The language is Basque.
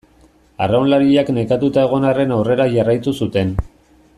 Arraunlariak nekatuta egon arren aurrera jarraitu zuten.